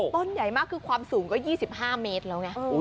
ต้นใหญ่มากคือความสูงก็๒๕เมตรแล้วไง